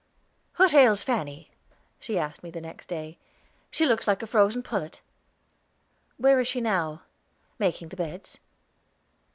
"What ails Fanny?" she asked me the next day. "She looks like a froze pullet." "Where is she now?" "Making the beds."